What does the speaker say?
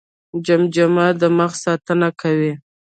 جمجمه د مغز ساتنه کوي